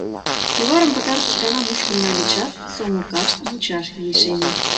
Кӱварым пытартыш гана мушкын нальычат, сомылкашт мучашке лишеме.